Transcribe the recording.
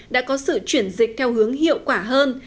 đã có sự chuyển dịch theo hướng hiệu quả hơn